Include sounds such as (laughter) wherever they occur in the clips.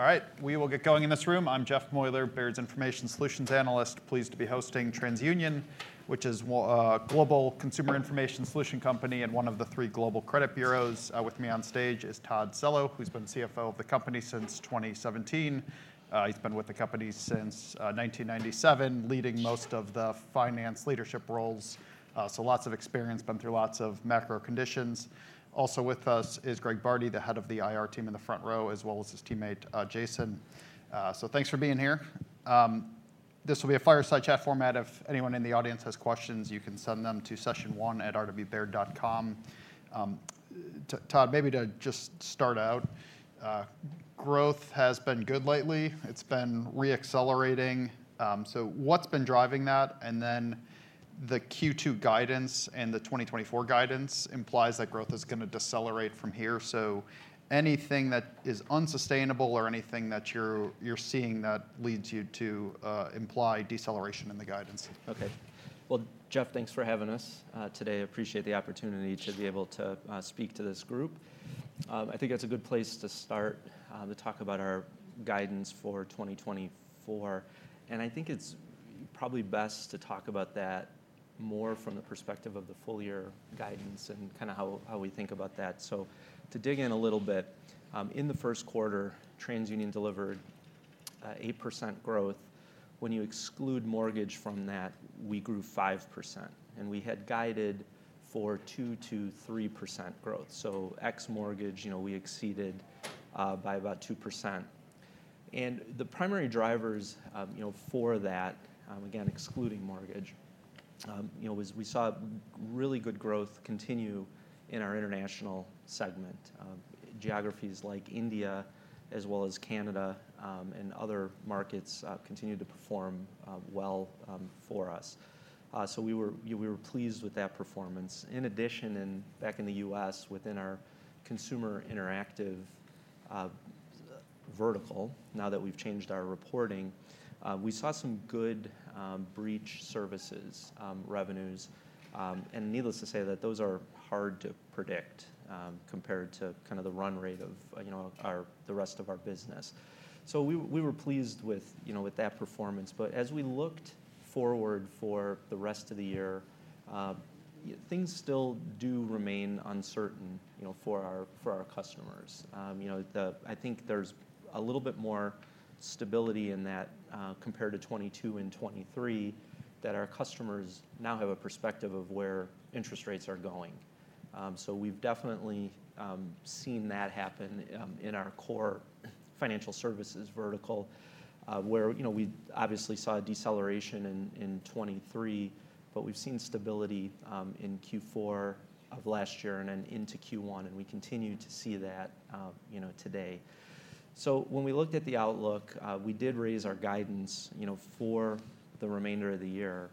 All right, we will get going in this room. I'm Jeff Meuler, Baird's Information Solutions Analyst. Pleased to be hosting TransUnion, which is global consumer information solution company and one of the three global credit bureaus. With me on stage is Todd Cello, who's been CFO of the company since 2017. He's been with the company since 1997, leading most of the finance leadership roles. So lots of experience, been through lots of macro conditions. Also with us is Greg Bardi, the head of the IR team in the front row, as well as his teammate, Jason. So thanks for being here. This will be a fireside chat format. If anyone in the audience has questions, you can send them to sessionone@rbaird.com. Todd, maybe to just start out, growth has been good lately. It's been re-accelerating. So what's been driving that? And then the Q2 guidance and the 2024 guidance implies that growth is gonna decelerate from here, so anything that is unsustainable or anything that you're, you're seeing that leads you to imply deceleration in the guidance? Okay. Well, Jeff, thanks for having us today. I appreciate the opportunity to be able to speak to this group. I think that's a good place to start to talk about our guidance for 2024, and I think it's probably best to talk about that more from the perspective of the full year guidance and kinda how we think about that. So to dig in a little bit, in the first quarter, TransUnion delivered 8% growth. When you exclude mortgage from that, we grew 5%, and we had guided for 2%-3% growth. So ex-mortgage, you know, we exceeded by about 2%. And the primary drivers, you know, for that, again, excluding mortgage, you know, was we saw really good growth continue in our international segment. Geographies like India, as well as Canada, and other markets continued to perform well for us. So we were pleased with that performance. In addition, and back in the U.S., within our Consumer Interactive vertical, now that we've changed our reporting, we saw some good breach services revenues. And needless to say, those are hard to predict compared to kind of the run rate of, you know, the rest of our business. So we were pleased with, you know, that performance. But as we looked forward for the rest of the year, things still do remain uncertain, you know, for our customers. You know, the. I think there's a little bit more stability in that, compared to 2022 and 2023, that our customers now have a perspective of where interest rates are going. So we've definitely seen that happen in our core financial services vertical, where, you know, we obviously saw a deceleration in 2023, but we've seen stability in Q4 of last year and then into Q1, and we continue to see that, you know, today. So when we looked at the outlook, we did raise our guidance, you know, for the remainder of the year,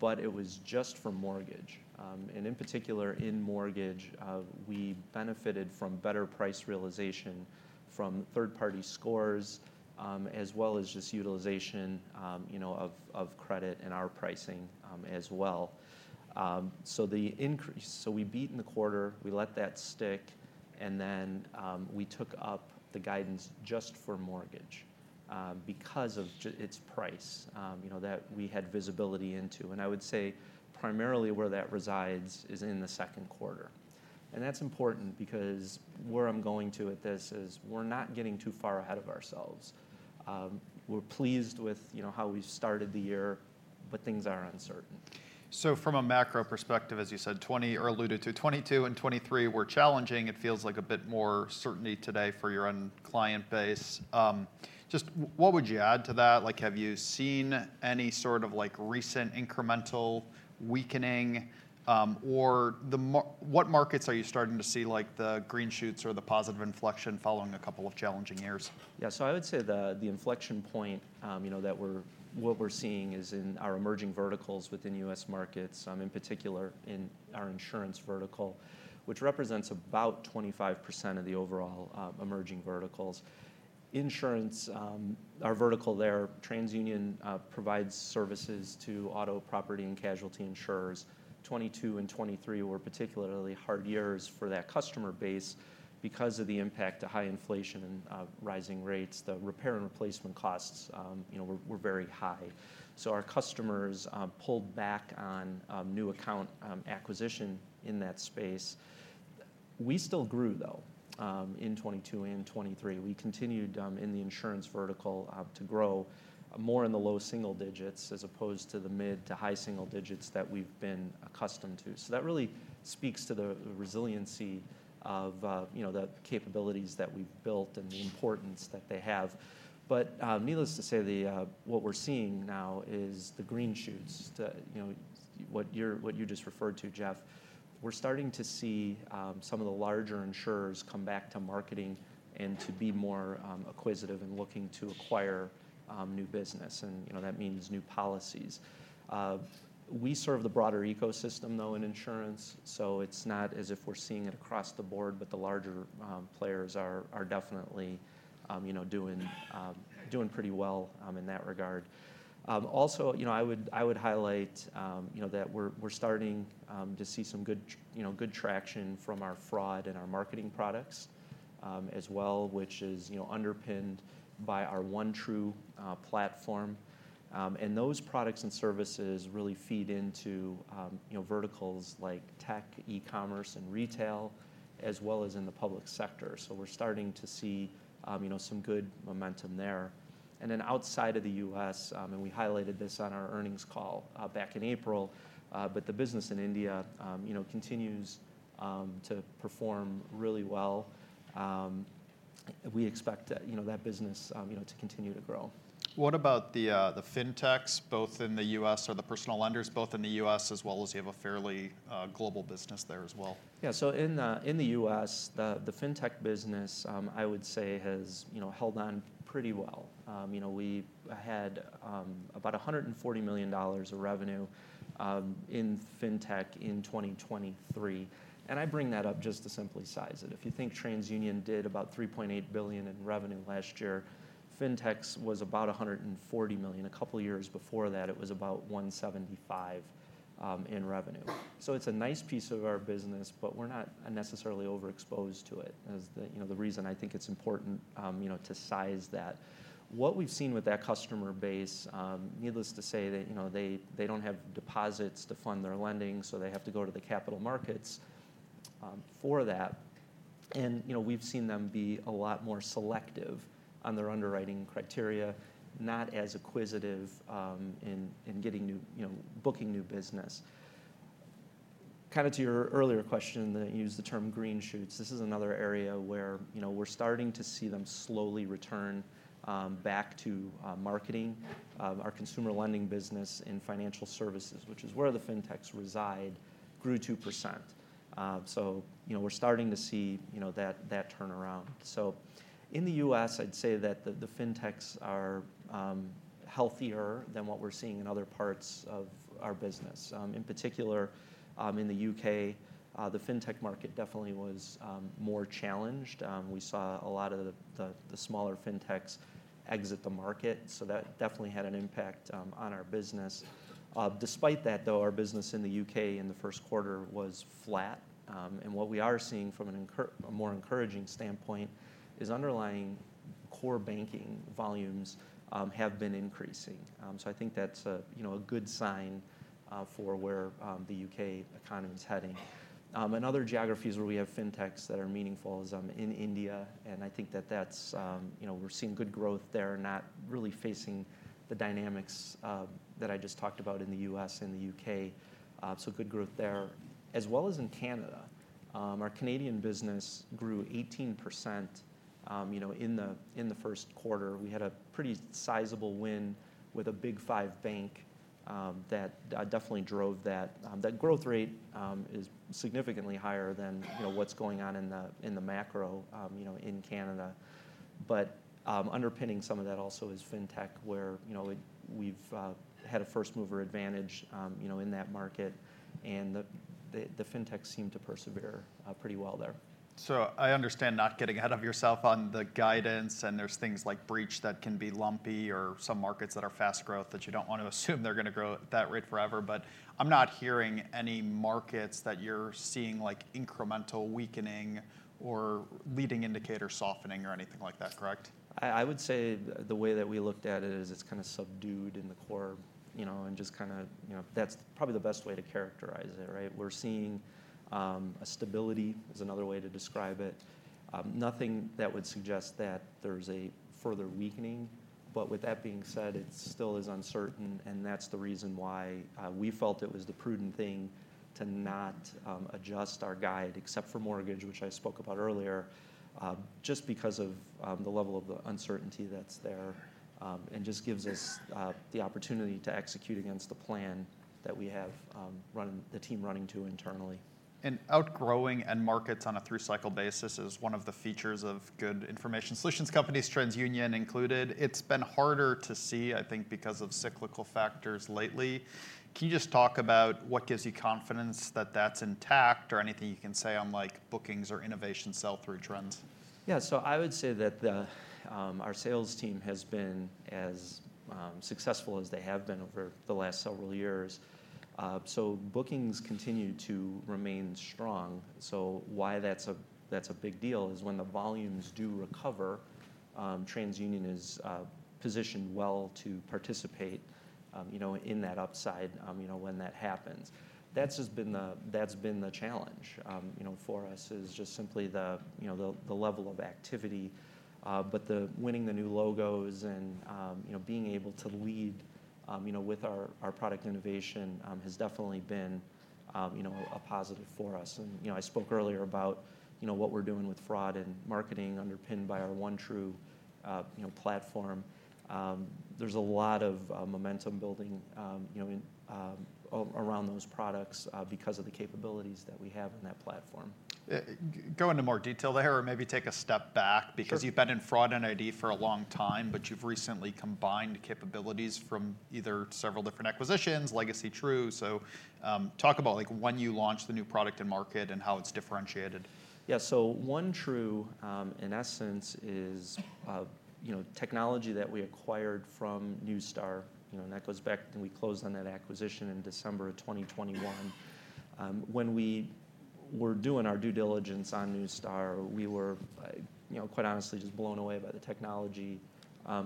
but it was just for mortgage. And in particular, in mortgage, we benefited from better price realization from third-party scores, as well as just utilization, you know, of credit and our pricing, as well. So we beat in the quarter, we let that stick, and then we took up the guidance just for mortgage because of its price, you know, that we had visibility into. I would say primarily where that resides is in the second quarter. That's important because where I'm going to with this is, we're not getting too far ahead of ourselves. We're pleased with, you know, how we started the year, but things are uncertain. So from a macro perspective, as you said, 2020 or alluded to, 2022 and 2023 were challenging. It feels like a bit more certainty today for your end client base. Just what would you add to that? Like, have you seen any sort of, like, recent incremental weakening? Or what markets are you starting to see, like, the green shoots or the positive inflection following a couple of challenging years? Yeah, so I would say the inflection point, you know, what we're seeing is in our emerging verticals within US markets, in particular in our insurance vertical, which represents about 25% of the overall emerging verticals. Insurance, our vertical there, TransUnion provides services to auto, property, and casualty insurers. 2022 and 2023 were particularly hard years for that customer base because of the impact of high inflation and rising rates. The repair and replacement costs, you know, were very high. So our customers pulled back on new account acquisition in that space. We still grew, though, in 2022 and 2023. We continued in the insurance vertical to grow more in the low single digits, as opposed to the mid to high single digits that we've been accustomed to. So that really speaks to the resiliency of, you know, the capabilities that we've built and the importance that they have. But needless to say, what we're seeing now is the green shoots, you know, what you just referred to, Jeff. We're starting to see some of the larger insurers come back to marketing and to be more acquisitive and looking to acquire new business. And, you know, that means new policies. We serve the broader ecosystem, though, in insurance, so it's not as if we're seeing it across the board, but the larger players are definitely, you know, doing pretty well in that regard. Also, you know, I would highlight, you know, that we're starting to see some good traction from our fraud and our marketing products, as well, which is, you know, underpinned by our OneTru platform. And those products and services really feed into, you know, verticals like tech, e-commerce, and retail, as well as in the public sector. So we're starting to see, you know, some good momentum there. And then outside of the U.S., and we highlighted this on our earnings call back in April, but the business in India, you know, continues to perform really well. We expect, you know, that business, you know, to continue to grow. What about the fintechs, both in the U.S. or the personal lenders, both in the U.S., as well as you have a fairly global business there as well? Yeah. So in the US, the fintech business, I would say has, you know, held on pretty well. You know, we had about $140 million of revenue in fintech in 2023, and I bring that up just to simply size it. If you think TransUnion did about $3.8 billion in revenue last year, fintechs was about $140 million. A couple of years before that, it was about $175 million in revenue. So it's a nice piece of our business, but we're not necessarily overexposed to it, as you know, the reason I think it's important, you know, to size that. What we've seen with that customer base, needless to say, you know, they don't have deposits to fund their lending, so they have to go to the capital markets for that. You know, we've seen them be a lot more selective on their underwriting criteria, not as acquisitive in getting new... You know, booking new business. Kind of to your earlier question, that you used the term green shoots, this is another area where, you know, we're starting to see them slowly return back to marketing. Our consumer lending business and financial services, which is where the fintechs reside, grew 2%. So you know, we're starting to see, you know, that, that turn around. So in the US, I'd say that the, the fintechs are healthier than what we're seeing in other parts of our business. In particular, in the UK, the fintech market definitely was more challenged. We saw a lot of the smaller fintechs exit the market, so that definitely had an impact on our business. Despite that, though, our business in the UK in the first quarter was flat. And what we are seeing from a more encouraging standpoint is underlying core banking volumes have been increasing. So I think that's a you know, a good sign for where the UK economy is heading. And other geographies where we have fintechs that are meaningful is in India, and I think that's... You know, we're seeing good growth there, not really facing the dynamics that I just talked about in the US and the UK. So good growth there, as well as in Canada. Our Canadian business grew 18% you know, in the first quarter. We had a pretty sizable win with a Big Five bank, that definitely drove that. That growth rate is significantly higher than, you know, what's going on in the macro, you know, in Canada. But, underpinning some of that also is fintech, where, you know, we've had a first-mover advantage, you know, in that market, and the fintechs seem to persevere pretty well there. So I understand not getting ahead of yourself on the guidance, and there's things like Breach that can be lumpy, or some markets that are fast growth that you don't want to assume they're going to grow at that rate forever. But I'm not hearing any markets that you're seeing, like, incremental weakening or leading indicator softening or anything like that, correct? I would say the way that we looked at it is it's kind of subdued in the core, you know, and just kind of, you know, that's probably the best way to characterize it, right? We're seeing a stability, is another way to describe it. Nothing that would suggest that there's a further weakening. But with that being said, it still is uncertain, and that's the reason why we felt it was the prudent thing to not adjust our guide, except for mortgage, which I spoke about earlier, just because of the level of the uncertainty that's there. And just gives us the opportunity to execute against the plan that we have running, the team running to internally. Outgrowing end markets on a three-cycle basis is one of the features of good information solutions companies, TransUnion included. It's been harder to see, I think, because of cyclical factors lately. Can you just talk about what gives you confidence that that's intact or anything you can say on, like, bookings or innovation sell-through trends? Yeah. So I would say that the, our sales team has been as successful as they have been over the last several years. So bookings continue to remain strong. So why that's a big deal is when the volumes do recover, TransUnion is positioned well to participate, you know, in that upside, you know, when that happens. That's just been the challenge, you know, for us, is just simply the, you know, the level of activity. But winning the new logos and, you know, being able to lead, you know, with our product innovation, has definitely been, you know, a positive for us. And, you know, I spoke earlier about, you know, what we're doing with fraud and marketing, underpinned by our OneTru, you know, platform. There's a lot of momentum building, you know, in around those products, because of the capabilities that we have in that platform. Go into more detail there, or maybe take a step back- Sure... (crosstalk) because you've been in fraud and ID for a long time, but you've recently combined capabilities from either several different acquisitions, legacy True. So, talk about, like, when you launched the new product and market and how it's differentiated. Yeah. So OneTru, in essence, is, you know, technology that we acquired from Neustar, you know, and that goes back. We closed on that acquisition in December of 2021. When we were doing our due diligence on Neustar, we were, you know, quite honestly, just blown away by the technology,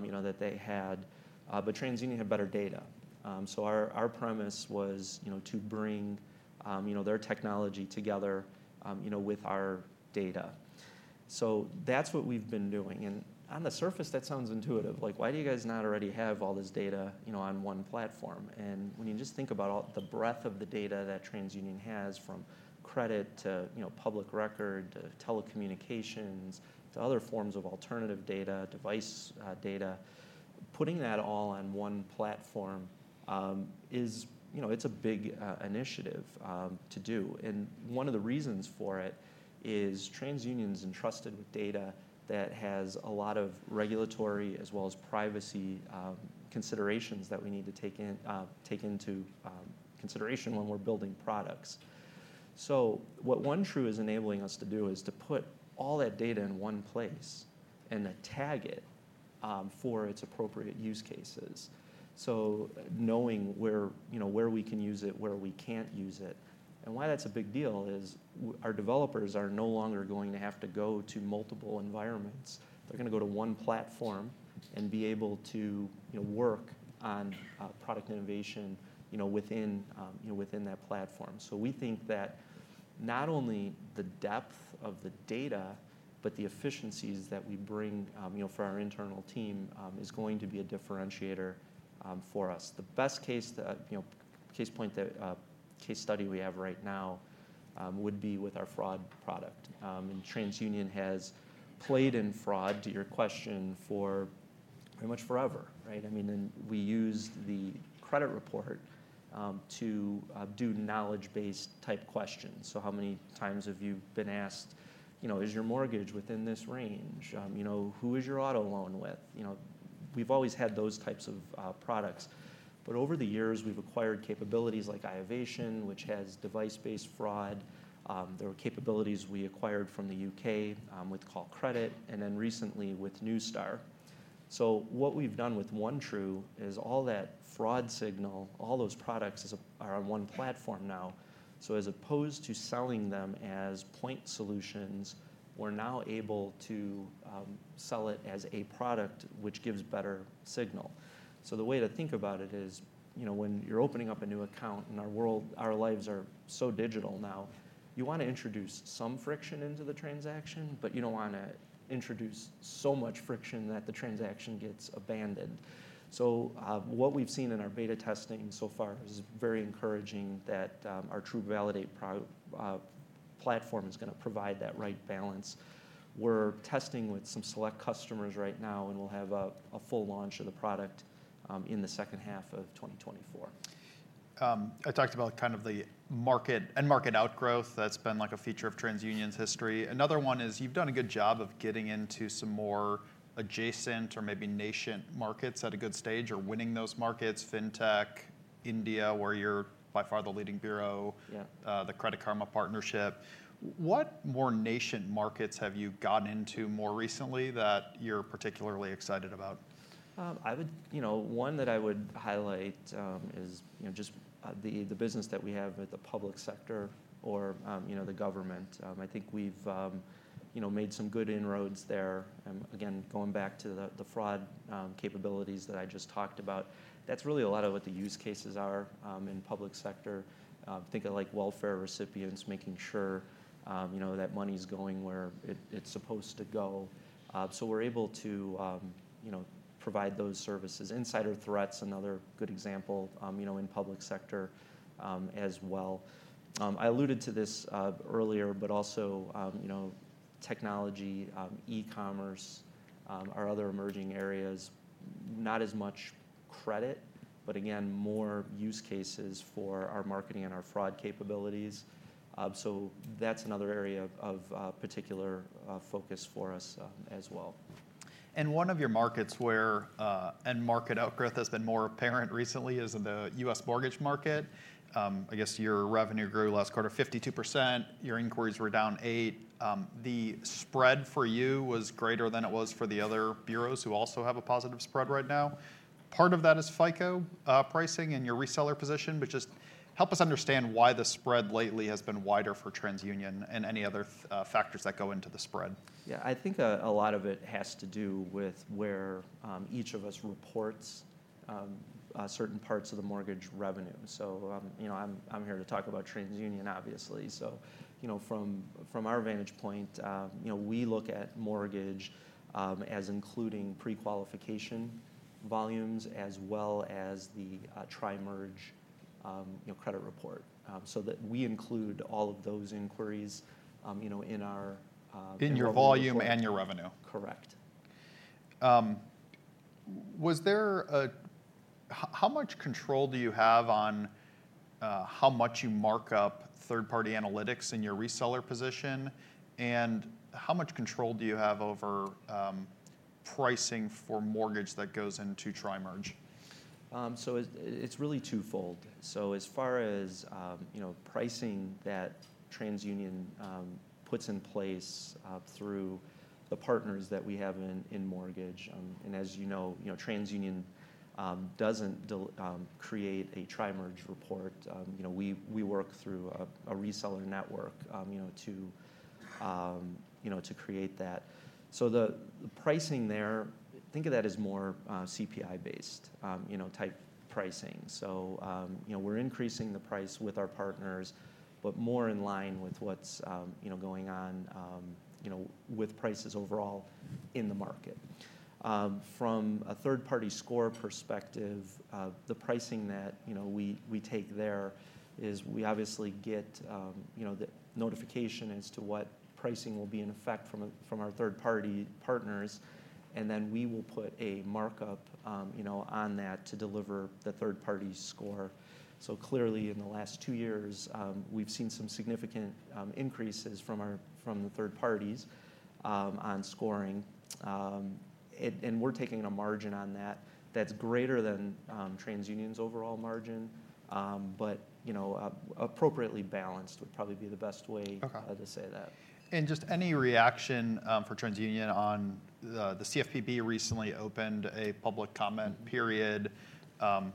you know, that they had. But TransUnion had better data. So our premise was, you know, to bring, you know, their technology together, you know, with our data. So that's what we've been doing, and on the surface, that sounds intuitive. Like, why do you guys not already have all this data, you know, on one platform? When you just think about all the breadth of the data that TransUnion has, from credit to, you know, public record, to telecommunications, to other forms of alternative data, device data, putting that all on one platform is, you know, it's a big initiative to do. One of the reasons for it is TransUnion's entrusted with data that has a lot of regulatory as well as privacy considerations that we need to take into consideration when we're building products. So what OneTru is enabling us to do is to put all that data in one place and to tag it for its appropriate use cases. So knowing where, you know where we can use it, where we can't use it. And why that's a big deal is our developers are no longer going to have to go to multiple environments. They're gonna go to one platform and be able to, you know, work on product innovation, you know, within, you know, within that platform. So we think that not only the depth of the data, but the efficiencies that we bring, you know, for our internal team, is going to be a differentiator for us. The best case that you know, case point that case study we have right now would be with our fraud product. And TransUnion has played in fraud, to your question, for pretty much forever, right? I mean, and we used the credit report to do knowledge-based type questions. So how many times have you been asked, you know, "Is your mortgage within this range?" You know, "Who is your auto loan with?" You know, we've always had those types of products. But over the years, we've acquired capabilities like iovation, which has device-based fraud. There were capabilities we acquired from the UK with Callcredit, and then recently with Neustar. So what we've done with OneTru is all that fraud signal, all those products are on one platform now. So as opposed to selling them as point solutions, we're now able to sell it as a product which gives better signal. So the way to think about it is, you know, when you're opening up a new account, in our world, our lives are so digital now, you wanna introduce some friction into the transaction, but you don't wanna introduce so much friction that the transaction gets abandoned. So, what we've seen in our beta testing so far is very encouraging, that our TruValidate platform is gonna provide that right balance. We're testing with some select customers right now, and we'll have a full launch of the product in the second half of 2024. I talked about kind of the market, end market outgrowth. That's been, like, a feature of TransUnion's history. Another one is, you've done a good job of getting into some more adjacent or maybe nascent markets at a good stage or winning those markets: Fintech, India, where you're by far the leading bureau- Yeah... (crosstalk) the Credit Karma partnership. What more nascent markets have you gotten into more recently that you're particularly excited about? You know, one that I would highlight is, you know, just the business that we have with the public sector or, you know, the government. I think we've, you know, made some good inroads there. Again, going back to the fraud capabilities that I just talked about, that's really a lot of what the use cases are in public sector. Think of, like, welfare recipients, making sure, you know, that money's going where it's supposed to go. So we're able to, you know, provide those services. Insider threat's another good example, you know, in public sector, as well. I alluded to this earlier, but also, you know, technology, e-commerce are other emerging areas. Not as much credit, but again, more use cases for our marketing and our fraud capabilities. So that's another area of particular focus for us, as well. And one of your markets where end market outgrowth has been more apparent recently is in the U.S. mortgage market. I guess your revenue grew last quarter 52%, your inquiries were down 8%. The spread for you was greater than it was for the other bureaus, who also have a positive spread right now. Part of that is FICO pricing and your reseller position, but just help us understand why the spread lately has been wider for TransUnion and any other factors that go into the spread. Yeah, I think a lot of it has to do with where each of us reports certain parts of the mortgage revenue. So, you know, I'm here to talk about TransUnion, obviously. So, you know, from our vantage point, you know, we look at mortgage as including prequalification volumes as well as the Tri-merge, you know, credit report, so that we include all of those inquiries, you know, in our. In your volume and your revenue. Correct. How much control do you have on how much you mark up third-party analytics in your reseller position? And how much control do you have over pricing for mortgage that goes into Tri-merge? So it's really twofold. So as far as you know, pricing that TransUnion puts in place through the partners that we have in mortgage. And as you know, you know, TransUnion doesn't create a Tri-merge report. You know, we work through a reseller network, you know, to create that. So the pricing there, think of that as more CPI-based, you know, type pricing. So you know, we're increasing the price with our partners, but more in line with what's you know going on you know with prices overall in the market. From a third-party score perspective, the pricing that, you know, we take there is we obviously get, you know, the notification as to what pricing will be in effect from our third-party partners, and then we will put a markup, you know, on that to deliver the third party's score. So clearly, in the last two years, we've seen some significant increases from the third parties on scoring. And we're taking a margin on that that's greater than TransUnion's overall margin. But, you know, appropriately balanced would probably be the best way- Okay... (crosstalk) to say that. Just any reaction for TransUnion on the CFPB recently opened a public comment period, and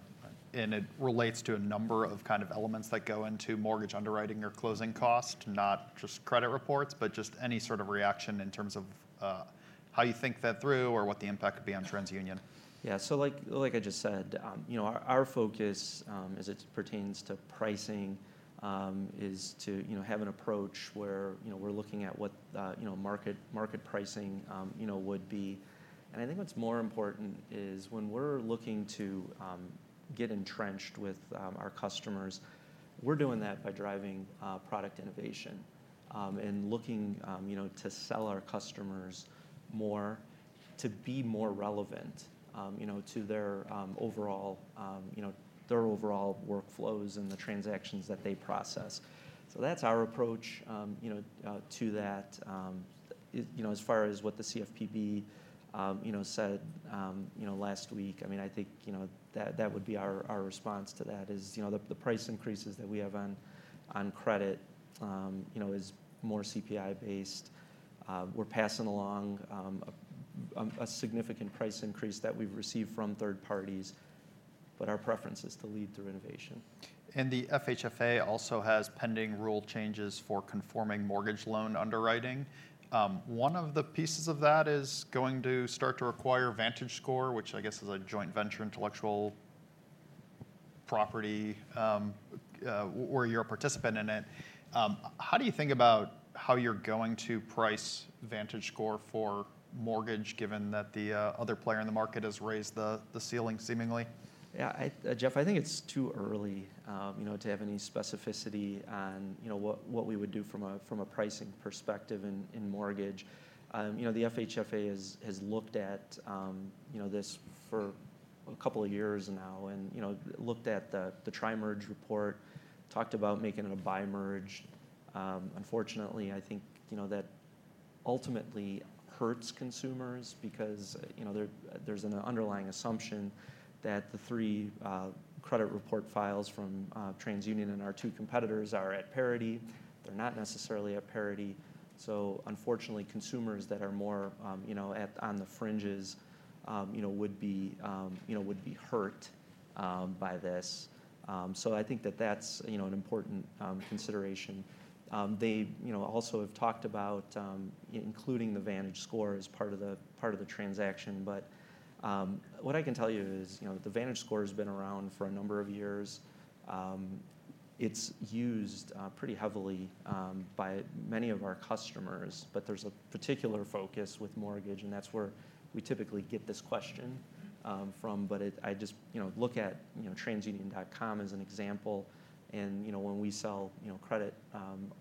it relates to a number of kind of elements that go into mortgage underwriting or closing costs, not just credit reports, but just any sort of reaction in terms of how you think that through or what the impact could be on TransUnion? Yeah. So like I just said, you know, our focus as it pertains to pricing is to, you know, have an approach where, you know, we're looking at what you know market pricing would be. And I think what's more important is when we're looking to get entrenched with our customers, we're doing that by driving product innovation and looking, you know, to sell our customers more, to be more relevant, you know, to their overall you know their overall workflows and the transactions that they process. So that's our approach, you know to that. You know, as far as what the CFPB you know said you know last week, I mean, I think, you know, that, that would be our, our response to that, is, you know, the price increases that we have on, on credit you know is more CPI based. We're passing along a significant price increase that we've received from third parties, but our preference is to lead through innovation. The FHFA also has pending rule changes for conforming mortgage loan underwriting. One of the pieces of that is going to start to require VantageScore, which I guess is a joint venture intellectual property, where you're a participant in it. How do you think about how you're going to price VantageScore for mortgage, given that the other player in the market has raised the ceiling, seemingly? Yeah, I, Jeff, I think it's too early, you know, to have any specificity on, you know, what we would do from a pricing perspective in mortgage. You know, the FHFA has looked at this for a couple of years now and, you know, looked at the tri-merge report, talked about making it a bi-merge. Unfortunately, I think, you know, that ultimately hurts consumers because, you know, there's an underlying assumption that the three credit report files from TransUnion and our two competitors are at parity. They're not necessarily at parity. So unfortunately, consumers that are more, you know, on the fringes, you know, would be hurt by this. So I think that that's, you know, an important consideration. They, you know, also have talked about including the VantageScore as part of the, part of the transaction. But what I can tell you is, you know, the VantageScore has been around for a number of years. It's used pretty heavily by many of our customers, but there's a particular focus with mortgage, and that's where we typically get this question from. But it—I just, you know, look at, you know, TransUnion.com as an example. And, you know, when we sell, you know, credit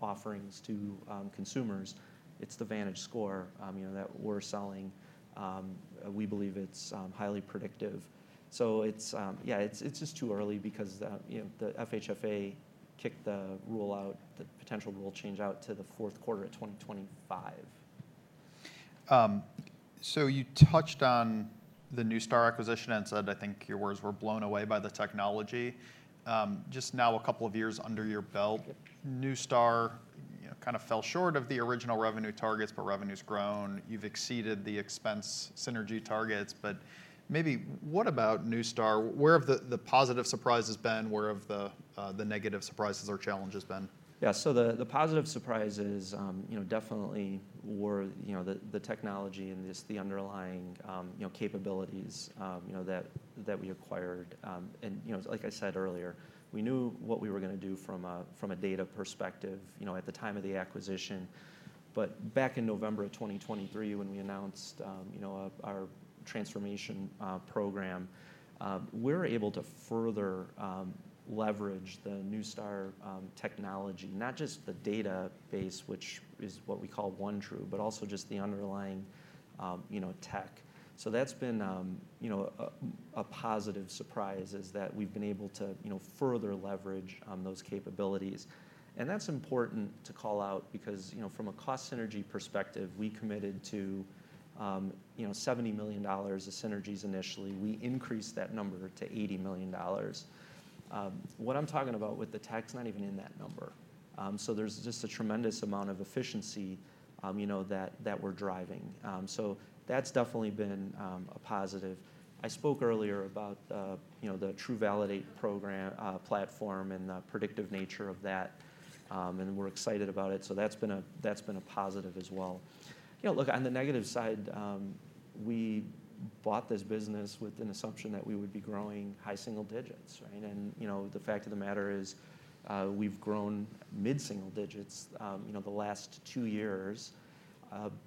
offerings to consumers, it's the VantageScore, you know, that we're selling. We believe it's highly predictive. So it's, yeah, it's just too early because, you know, the FHFA kicked the rule out, the potential rule change out to the fourth quarter of 2025. So you touched on the Neustar acquisition and said, I think your words were, "blown away by the technology." Just now a couple of years under your belt, Neustar, you know, kind of fell short of the original revenue targets, but revenue's grown. You've exceeded the expense synergy targets. But maybe what about Neustar? Where have the positive surprises been? Where have the negative surprises or challenges been? Yeah, so the positive surprises, you know, definitely were, you know, the technology and just the underlying, you know, capabilities, you know, that we acquired. And, you know, like I said earlier, we knew what we were gonna do from a data perspective, you know, at the time of the acquisition. But back in November of 2023, when we announced, you know, our transformation program, we're able to further leverage the Neustar technology. Not just the database, which is what we call OneTru, but also just the underlying, you know, tech. So that's been, you know, a positive surprise, is that we've been able to, you know, further leverage on those capabilities. And that's important to call out because, you know, from a cost synergy perspective, we committed to $70 million of synergies initially. We increased that number to $80 million. What I'm talking about with the tech's not even in that number. So there's just a tremendous amount of efficiency, you know, that, that we're driving. So that's definitely been a positive. I spoke earlier about, you know, the TruValidate platform and the predictive nature of that, and we're excited about it. So that's been a positive as well. You know, look, on the negative side, we bought this business with an assumption that we would be growing high single digits, right? And, you know, the fact of the matter is, we've grown mid single digits, you know, the last two years.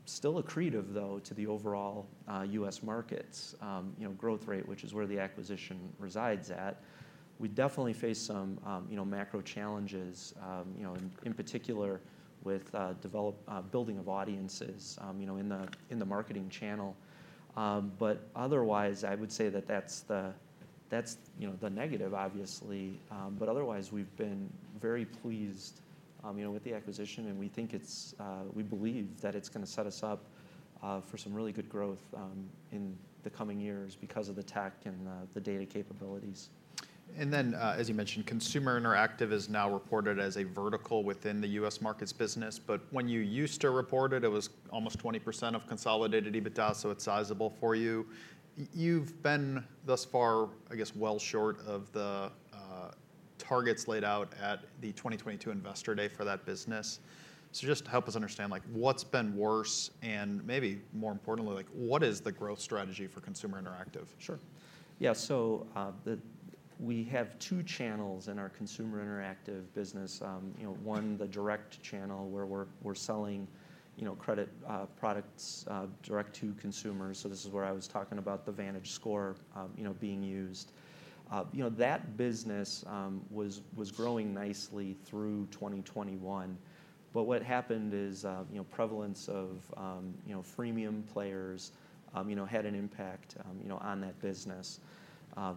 Still accretive, though, to the overall, US markets', you know, growth rate, which is where the acquisition resides at. We definitely face some, you know, macro challenges, you know, in, in particular with, building of audiences, you know, in the, in the marketing channel. But otherwise, I would say that that's that's, you know, the negative, obviously. But otherwise, we've been very pleased, you know, with the acquisition, and we think it's we believe that it's gonna set us up, for some really good growth, in the coming years because of the tech and the, the data capabilities. And then, as you mentioned, Consumer Interactive is now reported as a vertical within the U.S. markets business, but when you used to report it, it was almost 20% of consolidated EBITDA, so it's sizable for you. You've been, thus far, I guess, well short of the targets laid out at the 2022 Investor Day for that business. So just to help us understand, like, what's been worse, and maybe more importantly, like, what is the growth strategy for Consumer Interactive? Sure. Yeah, so we have two channels in our Consumer Interactive business. You know, one, the direct channel, where we're selling, you know, credit products direct to consumers. So this is where I was talking about the VantageScore, you know, being used. You know, that business was growing nicely through 2021, but what happened is, you know, prevalence of, you know, freemium players, you know, had an impact, you know, on that business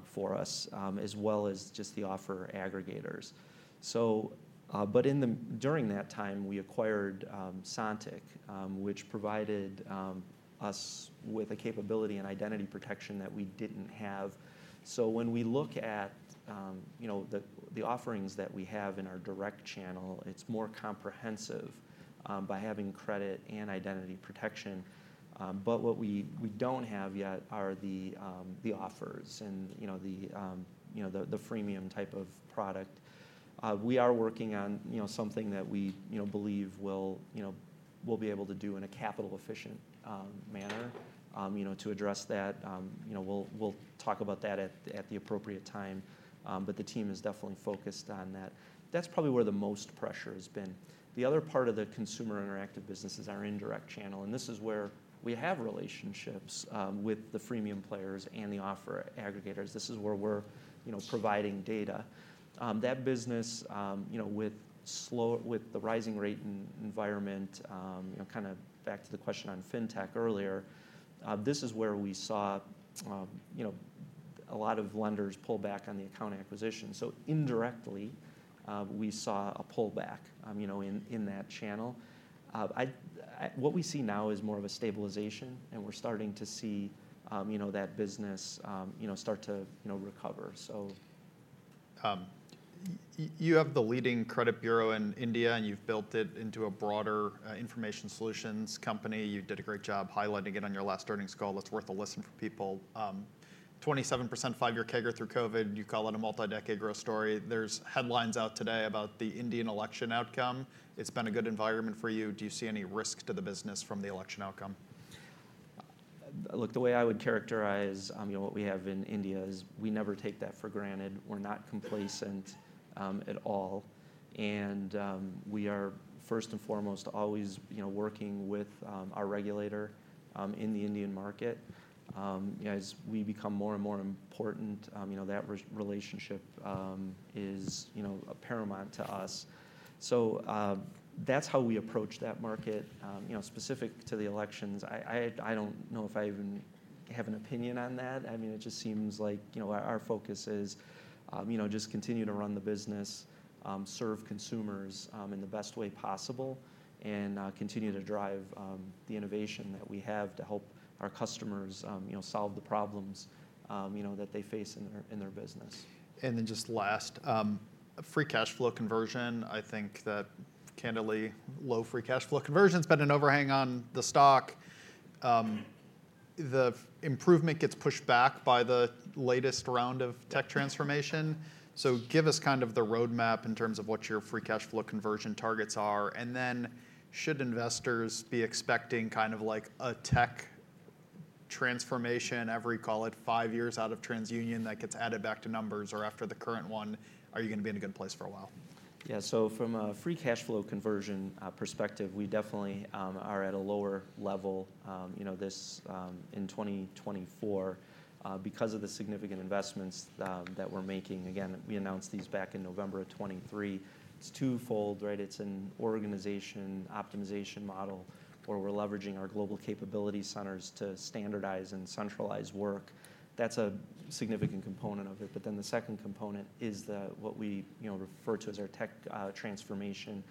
for us, as well as just the offer aggregators. During that time, we acquired Sontiq, which provided us with a capability and identity protection that we didn't have. So when we look at, you know, the offerings that we have in our direct channel, it's more comprehensive by having credit and identity protection. But what we don't have yet are the offers and, you know, the freemium type of product. We are working on, you know, something that we, you know, believe we'll be able to do in a capital-efficient manner. You know, to address that, you know, we'll talk about that at the appropriate time, but the team is definitely focused on that. That's probably where the most pressure has been. The other part of the Consumer Interactive business is our indirect channel, and this is where we have relationships with the freemium players and the offer aggregators. This is where we're, you know, providing data. That business, you know, with the rising rate environment, you know, kind of back to the question on fintech earlier, this is where we saw, you know, a lot of lenders pull back on the account acquisition. So indirectly, we saw a pullback, you know, in, in that channel. What we see now is more of a stabilization, and we're starting to see, you know, that business, you know, start to, you know, recover, so. You have the leading credit bureau in India, and you've built it into a broader, information solutions company. You did a great job highlighting it on your last earnings call. It's worth a listen for people. 27%, 5-year CAGR through COVID. You call it a multi-decade growth story. There's headlines out today about the Indian election outcome. It's been a good environment for you. Do you see any risk to the business from the election outcome? Look, the way I would characterize, you know, what we have in India is we never take that for granted. We're not complacent, at all, and, we are, first and foremost, always, you know, working with, our regulator, in the Indian market. As we become more and more important, you know, that relationship, is, you know, paramount to us. So, that's how we approach that market. You know, specific to the elections, I don't know if I even have an opinion on that. I mean, it just seems like, you know, our focus is, you know, just continue to run the business, serve consumers, in the best way possible, and continue to drive the innovation that we have to help our customers, you know, solve the problems, you know, that they face in their business. Then just last, free cash flow conversion. I think that, candidly, low free cash flow conversion's been an overhang on the stock. The improvement gets pushed back by the latest round of tech transformation. So give us kind of the roadmap in terms of what your free cash flow conversion targets are. And then, should investors be expecting kind of like a tech transformation every, call it, five years out of TransUnion that gets added back to numbers? Or after the current one, are you gonna be in a good place for a while? Yeah, so from a free cash flow conversion perspective, we definitely are at a lower level, you know, this in 2024 because of the significant investments that we're making. Again, we announced these back in November of 2023. It's twofold, right? It's an organization optimization model, where we're leveraging our global capability centers to standardize and centralize work. That's a significant component of it. But then the second component is the, what we, you know, refer to as our tech transformation.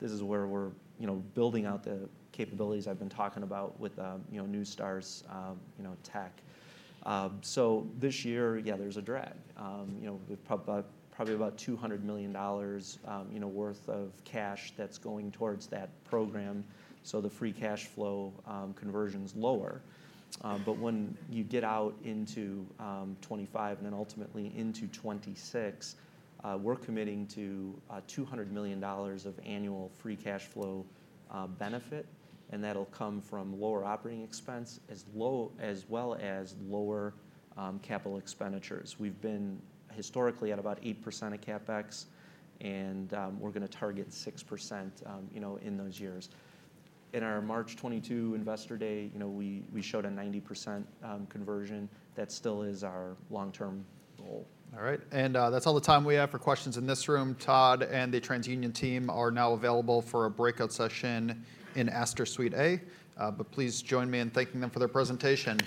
This is where we're, you know, building out the capabilities I've been talking about with, you know, Neustar's, you know, tech. So this year, yeah, there's a drag. You know, with probably about $200 million, you know, worth of cash that's going towards that program, so the free cash flow conversion's lower. But when you get out into 2025 and then ultimately into 2026, we're committing to $200 million of annual free cash flow benefit, and that'll come from lower operating expense, as well as lower capital expenditures. We've been historically at about 8% of CapEx, and we're gonna target 6%, you know, in those years. In our March 2022 Investor Day, you know, we, we showed a 90% conversion. That still is our long-term goal. All right, and, that's all the time we have for questions in this room. Todd and the TransUnion team are now available for a breakout session in Astor Suite A, but please join me in thanking them for their presentation.